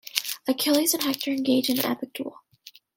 Achilles and Hector engage in an epic duel.